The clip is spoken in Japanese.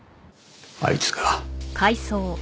あいつが。